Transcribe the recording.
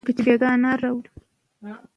نو بیا ورته د نظم کلام وایی